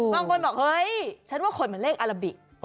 บางคนบอกเฮ้ยฉันว่าคนเหมือนเลขอาราบิ